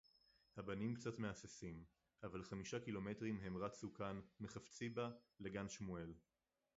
הַבָּנִים קְצָת מְהַסְסִים, אֲבָל חֲמִישָה קִילוֹמֶטְרִים הֵם רָצוּ כָּאן מחפציבה לַגַן שְמוּאֵל